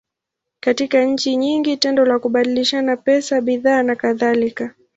Katika nchi nyingi, tendo la kubadilishana pesa, bidhaa, nakadhalika.